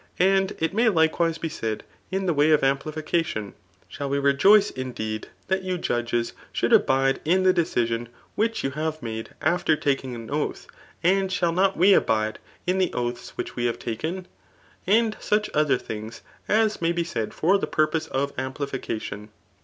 And [it may likewise be said in the way of amplification J shall we rejoice, indeed, that you judges 96 THB ART OP BOmC U thould abide in the decision which you have made, after taking an oath; and shall not we abide in the oaths which we have taken ? And 8uch other things as may be said for the purpose of amplificatioa.